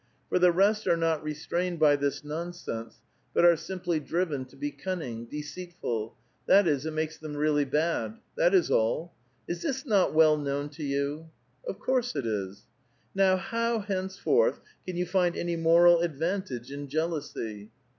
For the rest are not restrained by this nonsense, but are simply driven to be cunning, de ceitful ; that is, it makes them reallj' bad. That is all. Is > this not well known to you? "*' Of course it is." *' Now, how, henceforth, can you find any moral advan tage in jealousy?"